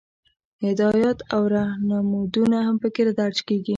هدایات او رهنمودونه هم پکې درج کیږي.